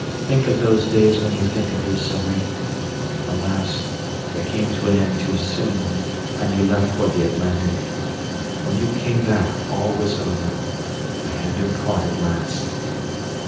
Think of those days when you think of your Zoe. Alas! they came to an end too soon, and you left for the Atlantic. When you came back all was over; I had been caught at last.